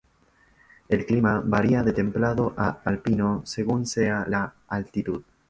El clima varía de templado a alpino según sea la altitud.